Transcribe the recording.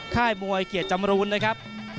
ค่ายมวยเกียรติจำรูนนะครับ